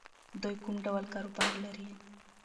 دوی کوم ډول کاروبار لري؟